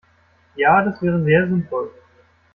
Ja, das wäre sehr sinnvoll.